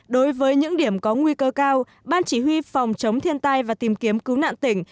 đối với những điểm có nguy cơ cao ban chỉ huy phòng chống thiên tai và tìm kiếm cứu nạn tỉnh